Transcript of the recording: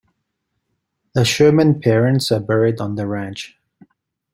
The Sherman parents are buried on the ranch.